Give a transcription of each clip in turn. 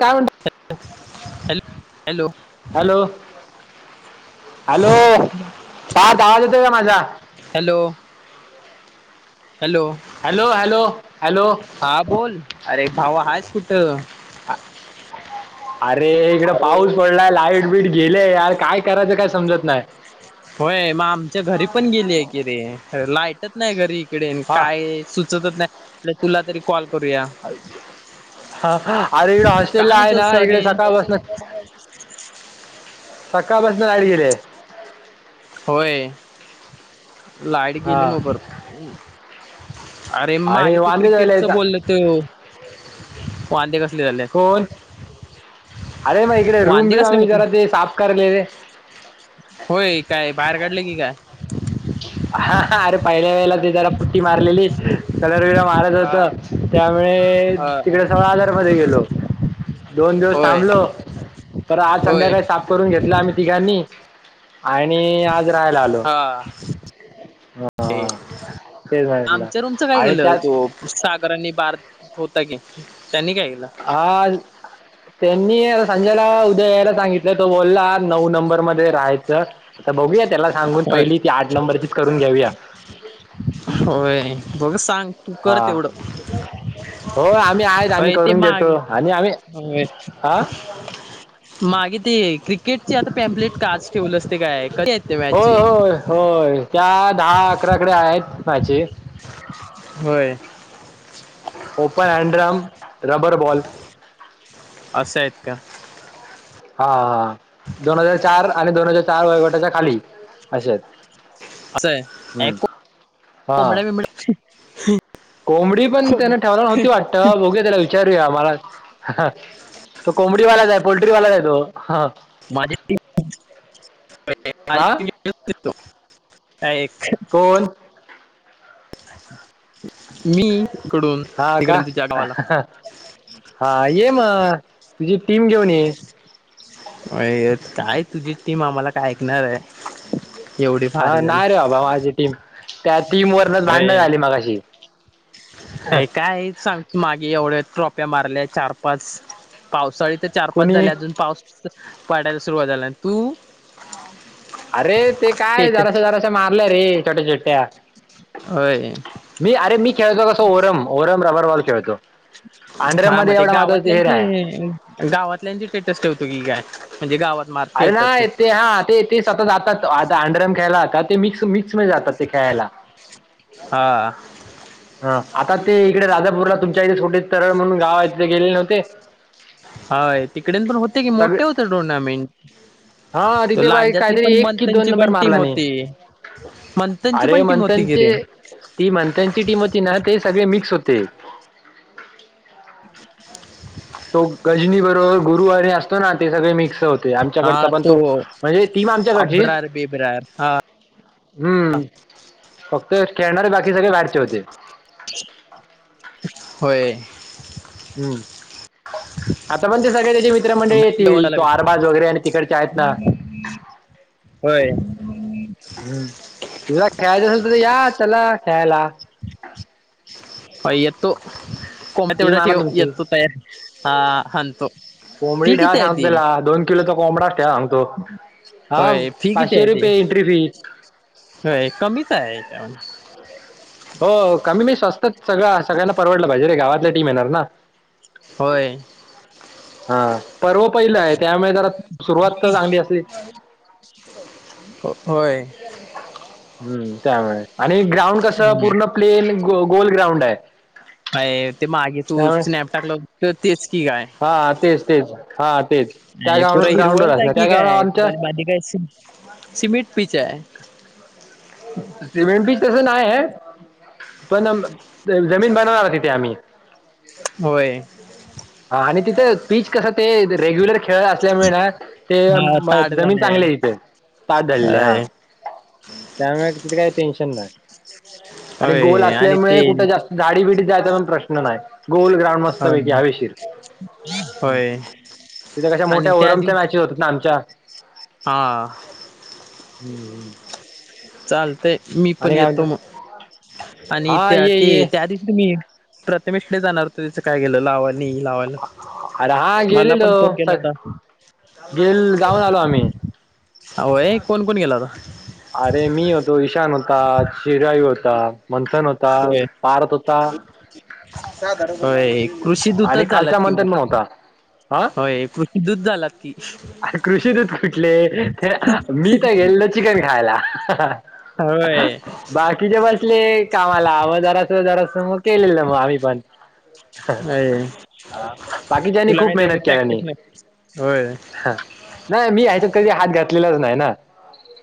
काय म्हणता? Hello hello [unintelligible] hello, hello [unintelligible] आवाज येतोय का माझा? Hello. Hello, hello hello hello हा बोल. अरे भावा आहेस कुठं? अरे इकड पाऊस पडलाय लाईट बीट गेली यार काय करायचं काय समजत नाही. होय, मग आमच्या घरी पण गेलीय की रे लाईटच नाही घरी. [unintelligible] हा काय सुचतच नाही, तुला तरी कॉल करूया. हा. अरे इकडे काय हॉस्टेलला आहे म्हतो ना इकडे सकाळपासून [unintelligible] सकाळपसन लाईट गेलीया. होय, लाईट गेली हा मोबर [unintelligible] अरे आणि मागे तू वांदे झाले क्रिकेटच बोलल आहेत. तू वांदे [unintelligible] कोण? अरे इकडे रूम वांदे बीम कसले आम्ही म्हटले जरा साफ कराला रे. होय काय, बाहेर काढले की काय? हा, अरे पहिल्या वेळेला ते जरा पुट्टी मारलेली परत तिकडं महाराज हा होत त्यामुळे हा तिकडे सगळं [unintelligible] मध्ये गेलो. दोन दिवस होय थांबलो, पर आज होय संध्याकाळी साफ करून घेतला आम्ही तिघांनी. आणि आज राहायला आलो. [unintelligible] हां तेच म्हटलं आमच्या रूमच काय आणि केलं? त्यात तो सागर आणि बार होता की नाही. हा ते मी संजाला उद्या यायला सांगितलंय तो बोलला नऊ नंबर मध्ये राहायचं. आता बघूया त्याला सांगून होय पहिली ती आठ नंबरचीच करून घेऊया. होय बघ सांग तू कर हां तेवढं. हो आम्ही आहेत आम्ही होय ते करून मागे घेतो आणि आम्ही हो हां मागे ते क्रिकेट. आता पॅम्पलेट काच ठेवल असते काय कशी य ते होय मॅची होय होय त्या दहा अकराकडे आहेत माझी होय. ओपन हँड्रम रबर बॉल असं आहेत का हा हा दोन हजार चार आणि दोन हजार चार वयोगटाच्या खाली अशे असं आहे हा कोबड्या बिबड्या कोंबडी पण त्यान ठेवायला नती वाटतं बोघू त्याला विचारूया मला ह तो कोमडी वाला जाय पोल्ट्री वाला जाय. ो हा- माझी हा कोण [unintelligible] मी. इकडून हा का तिकडून तुझ्या गावाला हा येम. तुझी टीम घेऊन ये अ काय तुझी टीम आम्हाला काय ऐकणार आहे. एवढी हा भारी नाही रे बाबा माझी टीम त्यात अ अ काय सांग. मागे एवढ्या टोप्या मारल्या चार पाच पावसाळीत ते चार पाच कुणी झाले अजून पाऊस पाडायला सुरुवात झाला तू. अरे ते काय जरासा स्टेटस जरासा मारलं रे छोट्या छोट्या होय मी अरे मी खेळतो कसो ओरम ओरम रबर बॉल खेळतो. अंडरम हा मग मध्ये ते एवढा माझा चेहरा आहे गावातल्याची गावातल्यांची स्टेटस ठेवतो की काय. म्हणजे गावात मार अरे खेळतात नाही ते हा ते ते स्वतः जात आता अंडरम ख्यायलाता ते मिक्स. मिक्स म जातात ते खेळायला. हा हा आता ते इकडे राजापूरला तुमच्या इथे छोे तरळ म्हणून गाव आहे तथे गेले नव्हते. हाय तिकडेन पण होते की सगळे मोठे होते टुर्नामेंट हा तो तितेबाई लांज्यातली काहीतरी पण एक कि दोन मंथनची नंबर पण टीम मारला नाही. होती मंथनची अरे पण टीम होती की मंथनची रे ती मंथनची टीम होती. ते सगळे मिक्स होते. [inaudible] तो गजनी बरोबर गुरुवारीे असतो ना ते सगळे मिक्स होत. आमच्याकडचा हा तो बणतो म्हणजे ती म आमच्याकडची अब्रार बेब्रार हा हम्म फक्त खेळणारे बाकी सगळे बाहेरचे होते. होय. हम्म आता पण ते सगळे मित्रमंडळी बाकी येतील तो आरबाज वगैरे आणि तिकडच्या आहेत ना होय हम्म तुमला खेळय दिस या चला ख्यायला. हो येतो कोमते बड आणा ठेव तुमची येतो तया ह हंतु कोंबडी ठेवा सांगतो त्याला दोन किलोचा कोंबडाच ठेवा सांगतो. हा होय पाचशे रुपये एंट्री फी हो कमीच आहेच्यामध्ये हो कमी मी स्वस्त सगळ सगळ्यांना परवडलं पाहिजे रे गावातल्या टीम येणार ना. होय. हा पर्व पहिलं आहे. त्यामुळे जरा सुरुवात तर चांगली असली. [inaudible] हम्म त्यामुळे, आणि ग्राउंड कस पूर्ण प्लेन गोल ग्राउंड आहे. अय ते मागे तू त्यामुळे स्नॅप टाकला, तेच की काय हा तेच तेच हा तेच त्या अ पुरा ग्राउंड ग्राउंडवर हिरवळचा आहे असणार की त्या ग्राउंड आमच्या काय, माझी काय सिमेंट पिच आहे सिमेंट बीच कस नाय हाय. [unintelligible] पण जमीन बनव आह तिथे आम्ही. होय हा आणि तिथेच. पीच कसं ते रेग्युलर खेळ असल्यामुळे, ना ते हा ताड जमीन झालंय चांगली हाय इथं. पादळले हा अय त्यामुळे तिथे काही टेन्शन नाही आणि गोल होय आणि असल्यामुळे ते कुठं जास्त झाडी बिडी यायचा पण प्रश्न नाही गोल ग्राउंड मस्तपैकी होय हवेशीर होय तिथे कशा आणि मोठ्या त्या ओरमच्या दिवशी मॅचेस होत ना आमच्या हा चाल मी आणि पण काय येतो म्हणतात मग आणि हा त्या ये ते ये त्या दिवशी मी प्रथमेश कडे जाणार तिचं काय गेलं लावा लावायला अरे हा मला पण गेलेलो फोन केला होता हा मीळ हो ए कोण कोण गेला होता? अरे मी होतो, ईशान होता, शिराई हो हो मंथन होता होय पार्थ होता होय कृषी आणि दूतच झालात खालचा कि म मंथन पण होता होय कृषी दूत झालात की अर कृषी दूत कुटले ते मी तर गेल ना चिकन खायला. होय बाकीचे बसले कामाला मग जरास जरास मग केलेलं मग आम्ही पण होय बाकीच्यानी तुला खूप काय मेहनत तेवढी प्रॅक्टिस केल्यानी. नाही होय ह नाही मी ह्याच्या कधी हात घातलेलाच नाही ना.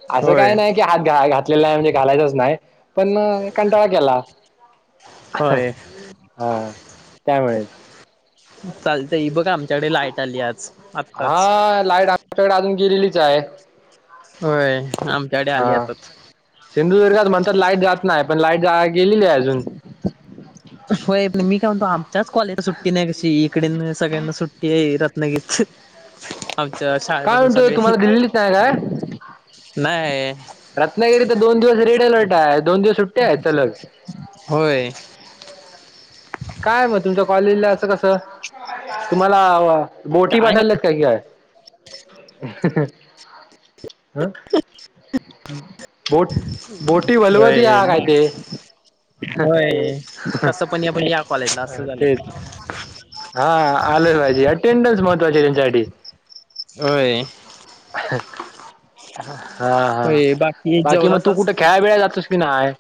अ असं काय नाही की हात घा घातलेला नाही म्हणजे घालायचंच नाही पण कंटाळा केला होय हा त्यामुळेच चालतं ह बघ आमच्याकडे लाईट आली आज. हा आत्ताच लाईट आमच्याकडे अजून गेलेलीच आहे होय आमच्याकडे हा आली आताच सिंधुदुर्गात म्हणतात लाईट जात नाही पण लाईट गेलेली आहे अजून होय पण मी काय म्हणतो आमच्याच कॉलेज सुट्टी नाही कशी इकडे सगळ्यांना सुट्टी आहे रत्नागिरी आमच्या काय शाळेपासून म्हणतो सगळे तुम्हाला दिलेलीच नाही काय नाही रत्नागिरी तर दोन दिवस रेड अलर्ट आहे. दोन दिवस सुट्ट्या आहेत सलग होय. काय मग तुमच्या कॉलेजला असं कसं तुम्हाला बोटी काय पाठवल्यात का किय हा बोट बोटी नाही व्हलवत होय या काय ते? बाकी होय कसं पण या पण या कॉलेजला असं तेच झालंय हा आलंच पाहिजे अटेंडन्स महत्वाची त्यांच्यासाठी होय हा हा, होय बाकी मग तू जेवलासच कुठे खेळा बिळाय जातोस कि नाय?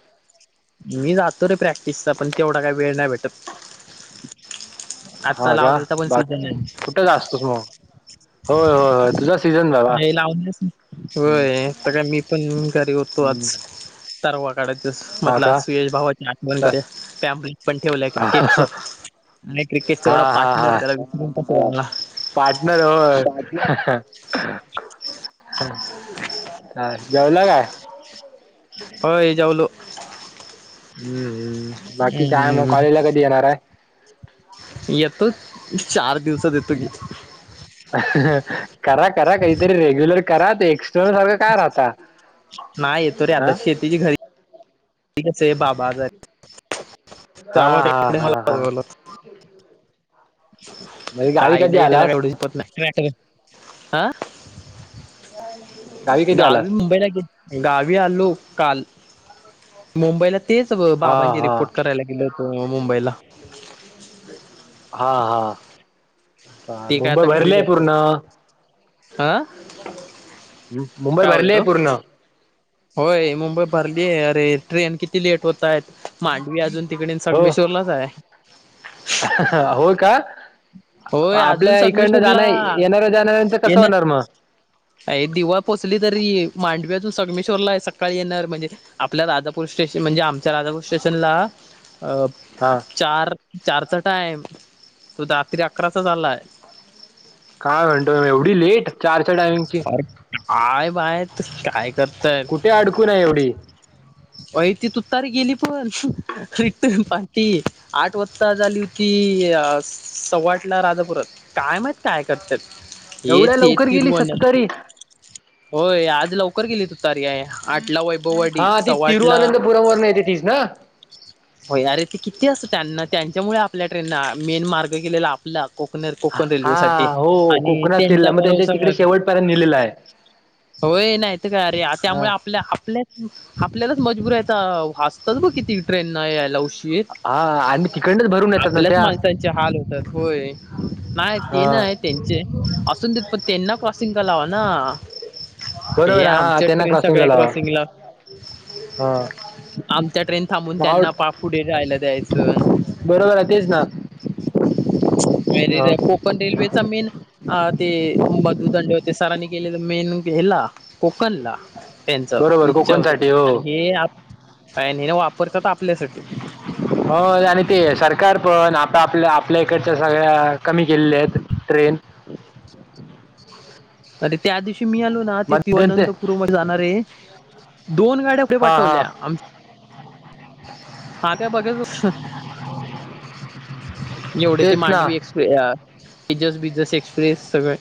मी जातो रे प्रॅक्टिसचा पण तेवढा काही वेळ नाही भेटत आता हा का, लावणीचा पण सीझन बाकी आहे कुठे गा असतोस मग? होय होय हो तुझ नाही लावलच. होय तर मी पण घरी होतो हम्म आज तरवा काढायच हा म्हटलं आज का सुयश भावाचे आठवण तर कर टॅम्प पण ठेवला हा क्रिकेटच आणि क्रिकेट एवढा हा पार्टनर हा त्यालाला पार्टनर हो जेवला काय? होय जाऊलो. हम्म हम्म बाकी काय मग? कॉलेज ला कधी येणार आहे? येतो चार दिवसात येतो हम्म. कि. करा करा काहीतरी रेग्युलर करा ते एक्स्टर्नल सारखं काय राहता नाही येतो रे हा आता. शेतीची घरी कस आहे बाप बाजार हा त्यामुळे हा इकडे हा मला हा बोलवलं. म्हणजे गावी काही कधी नाही एला का आलास एवढच पत. नाही हं? कधी गावी आलास मुंबईला गे. गावी आलो काल मुंबईला तेच हा बाबांचे हा रिपोर्ट करायला गेल होतो मुंबईला. हा हा ते काय मुंबई भरलेय पूर्ण हं. मुंबई काय भरली बोलतो? आहे पूर्ण होय मुंबई भरली आहे. अरे ट्रेन किती लेट होत आहेत मांडवी अजून तिकडे हो संगमेश्वरलाच आहे. हो का होय अजून आपल्या इकडनं सगमेश्रला. जाणार येणाऱ्या जाणाऱ्यांचं कसं येन होणार मग अ दिवा पोचली तर तरी मांडव्यातून संगमेश्वरला आहे. सकाळी येणार, म्हणजे आपल्या राजापूर स्टेशन म्हणजे आमच्या राजापूर स्टेशन हा चार चारचा टाइम तो रात्री अकराचा झालाय. काय म्हणतोय? एवढी लेट चारच्या टाइमिंगची? आय बा आहेत काय करताय. कुठे अडकून आहे एवढी वय ती तूतारी गेली पण. रिटन पार्टी आठ वाजता झाली होती अ सव्वाटला राजापुरात. काय मत काय करतात येत येत तर गेली तिरुवनंत शतकरी. होय. आज लवकर गेली तुतारी्या आहे. आठला वैभववाडी सव्वा आठला नाहीेत तीस ना? भययारे ते किती असत त्यांना त्यांच्यामुळे आपल्या ट्रेनना मेन मार्ग केलेला आपला. कोकण कोकण रेल्वे हा साठी हो आणि कोकणात केलेला त्यांचा मग त्यांच्या बरसा तिकडे शेवटपर्यंत नेलेला आहे होय नाहीत काय अरे, हा त्यामुळे आपल्या आपल्या आपल्यालाच मजबूरता असतात ब किती ट्रेन न यायला. उशीर हा आणि तिकडच भर आपल्याच माणसाचे हाल होतात. होय नाही ते हा नाई त्यांचे असून देतपण त्यांना क्रॉसिंग कलाव ना? हे बरोबर आहे. हा आमच्या त्यांना ट्रेन क्रॉसिंगला सगळ्या लावा क्रॉसिंगला हा. आमच्या ट्रेन थांबून नाव त्यांना पा पुढे राहायला दयचं. बरोबर आहे तेच ना ह मे कोकण रेल्वे मेन ते मधुदंड होते सरांनी केलेलं मेन हेला कोकणला. त्यांच बरोबर इच्छा होते. कोकणसाठी आणि हो हे वापरतात आप हो आणि ते सरकार पण आता आपल्या आपल्या इकडच्या सगळ्या कमी केल्या आहेत ट्रेन. अरे त्या दिवशी मी आलो ना. ते ति मध्यंतर अनंतपुरमध्ये जाणार आहे. दोन गाड्या हां हां पाठवल्या. हा का बघाच होतो. एवढे ते तेच ना मांडवी एक्सप्रेस तेजस बिजस एक्सप्रेस सगळे.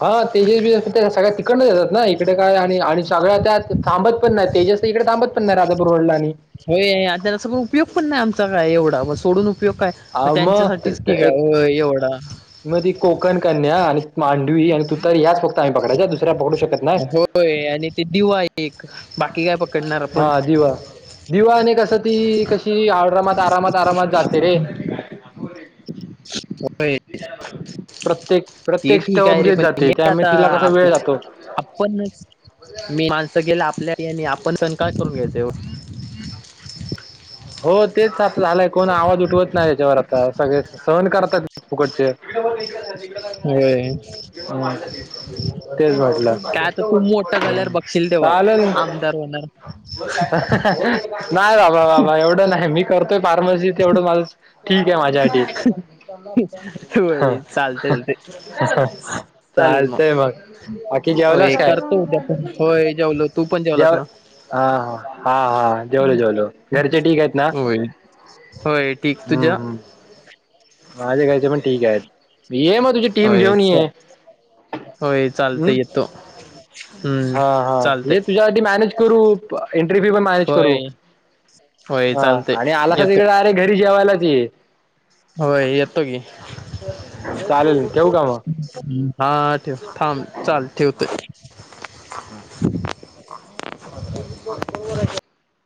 हा तेजस बिजस सगळ्या तिकडच येतात ना. इकड काय आणि सगळ्या त्या थांबत पण नाही. तेजस इकडे थांबत पण नाही राधा बुरवडला आणि होय आता जसं उपयोग पण नाही आमचा काय एवढा सोडून उपयोग काय हा, मग त- त्यांच्यासाठीच त- की एक काय एवढा. मग ती कोकण कन्या आणि मांडवी आणि तूतरी याच फक्त आम्ही पकडायच्या दुसऱ्या पकडू शकत नाही होय आणि ते दिवा एक बाकी काय पकडणार आपण. हां दिवा दिवा आणि कसं ती कशी आरामात आरामात आरामात जाते रे. प्रत्येक ते प्रत्येक ठीक स्टॉप आहे रे घेत पण जाते हे त्यामुळे आता तिला कसा आप वेळ जातो आपण मी माणसं गेलं. आपल्याले आपण सण काय करून घ्यायच येवढ. हो तेच आप झालंय कोण आवाज उठवत नाही याच्यावर आता सगळे सहन करतात. फुकटचे होय हम्म, तेच वाटलं. काय आता तू मोठा झाल्यावर बघशील तेव्हा चालल. आमदार होणार नाही बाबा बाबा एवढं नाही मी करतोय फार्मसी ते एवढं माझ ठीक हहहं हा हा हा चालतय मग. बाकी होय जेवलास काय करतो उद्या पण होय जेवलो तू पण जेवलास जेव ना. हा हा हा हा जेवलो जेवलो घरचे ठीक आहेत ना. होय होय ठीक तुझ्या. हम. ये मग तुझी टीम होय घेऊन च- ये. होय चालते हम येतो हम्म हा हा चालते हे तुझ्यासाठी मॅनेज करू एन्ट्रीफी पण मॅनेज करू, होय होय हा चालते आणि आलासा कि येतो इकडे डायरेक्ट घरी जेवायलाच ये. होय येतो की. चालेल ठेवू का मग हा ठेव थांम चाल ठेवत. हा. [unintelligible]